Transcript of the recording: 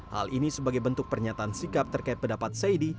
hal ini sebagai bentuk pernyataan sikap terkait pendapat saidi